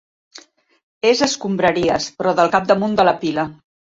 És escombraries, però del capdamunt de la pila.